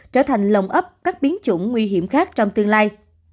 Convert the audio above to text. trở thành lồng ấp các biến chủng nguy hiểm khác trong tương lai